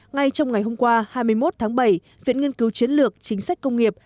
ngay trong ngày hôm qua hai mươi một tháng bảy viện nghiên cứu chiến lược chính sách công nghiệp